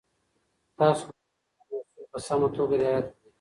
تاسو باید د لوبې اصول په سمه توګه رعایت کړئ.